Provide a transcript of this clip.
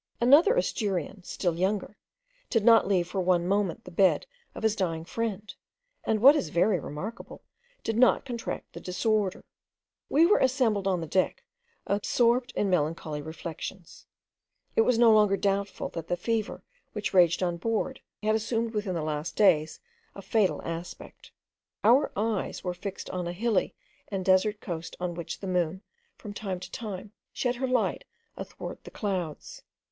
Another Asturian, still younger, did not leave for one moment the bed of his dying friend; and, what is very remarkable, did not contract the disorder. We were assembled on the deck, absorbed in melancholy reflections. It was no longer doubtful, that the fever which raged on board had assumed within the last few days a fatal aspect. Our eyes were fixed on a hilly and desert coast on which the moon, from time to time, shed her light athwart the clouds.